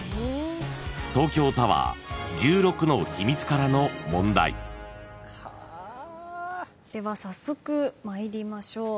［東京タワー１６の秘密からの問題］では早速参りましょう。